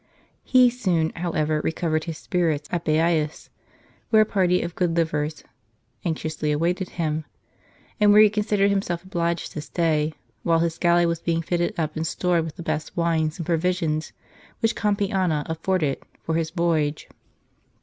He soon, however, recovered his spirits at Baias, where a party of good livers anxiously awaited him ; and where he considered himself obliged to stay, while his galley was being fitted up and stored with the best wines and provisions which Campania afforded, for his voyage.